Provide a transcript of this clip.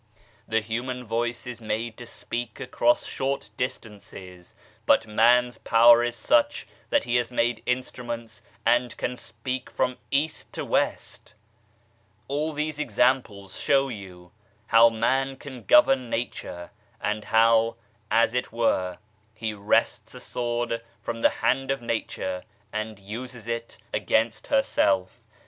The human voice is made to speak across short distances, but man's power is such that he has made instruments and can speak from East to West ! All these examples show you how man can govern Nature, and how, as it were, he wrests a sword from the hand of Nature and uses it against herself.